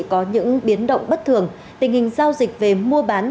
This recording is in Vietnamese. có những biến động bất thường tình hình giao dịch về mua bán